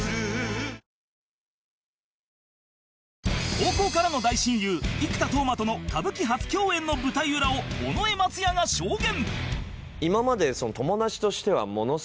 高校からの大親友生田斗真との歌舞伎初共演の舞台裏を尾上松也が証言